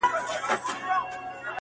چي په سختو بدو ورځو د بلا مخ ته دریږي.!